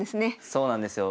そうなんですよ。